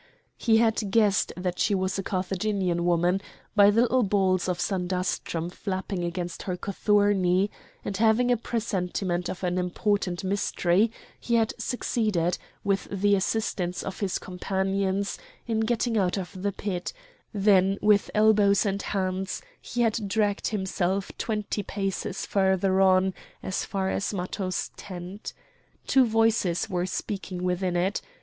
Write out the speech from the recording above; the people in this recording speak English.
He had guessed that she was a Carthaginian woman by the little balls of sandastrum flapping against her cothurni; and having a presentiment of an important mystery he had succeeded, with the assistance of his companions, in getting out of the pit; then with elbows and hands he had dragged himself twenty paces further on as far as Matho's tent. Two voices were speaking within it.